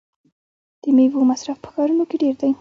د میوو مصرف په ښارونو کې ډیر دی.